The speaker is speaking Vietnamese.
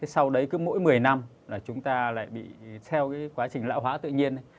sau đấy cứ mỗi một mươi năm là chúng ta lại bị theo quá trình lão hóa tự nhiên